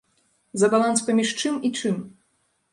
За баланс паміж чым і чым?